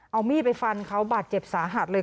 เอามีดไปฟันเขาบาดเจ็บสาหัสเลย